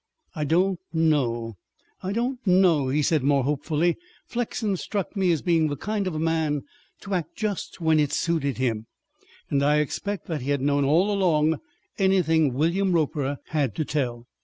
"I don't know I don't know," he said more hopefully. "Flexen struck me as being the kind of man to act just when it suited him, and I expect that he had known all along anything William Roper had to tell."